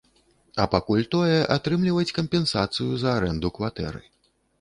А пакуль тое, атрымліваць кампенсацыю за арэнду кватэры.